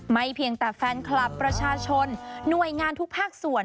เพียงแต่แฟนคลับประชาชนหน่วยงานทุกภาคส่วน